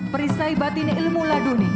perisai batin ilmu laduni